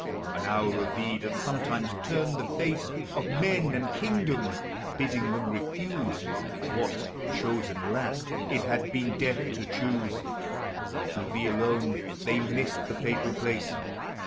An hour of thee doth sometimes turn the face Of men and kingdoms, biddingthem refuse What, chosen last, it had been death to choosei Through thee alone, they missed the fatal place.